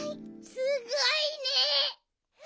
すごいね！